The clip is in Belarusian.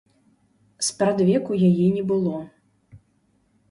Спрадвеку яе не было.